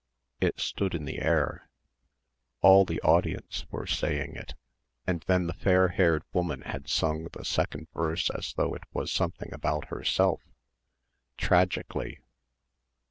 It stood in the air. All the audience were saying it. And then the fair haired woman had sung the second verse as though it was something about herself tragically